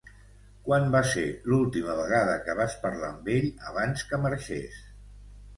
Quan va ser l'última vegada que vas parlar amb ell abans que marxés.